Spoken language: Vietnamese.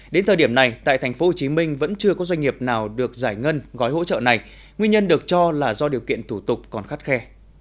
đến thời điểm này tại tp hcm vẫn chưa có doanh nghiệp nào được giải ngân gói hỗ trợ này nguyên nhân được cho là do điều kiện thủ tục còn khắt khe